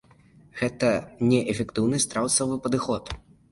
Гэта неэфектыўны, страусавы падыход.